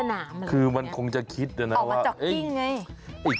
เออคือมันคงจะคิดนะว่าออกมาเจาะกิ้งไงนอกสนามหรืออะไรอย่างนี้